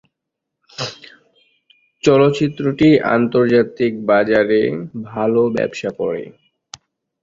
চলচ্চিত্রটি আন্তর্জাতিক বাজারে ভালো ব্যবসা করে।